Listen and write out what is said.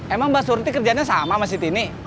emang mbak surti kerjaannya sama sama si tini